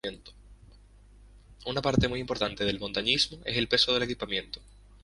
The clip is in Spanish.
Un aspecto muy importante en el montañismo es el peso del equipamiento.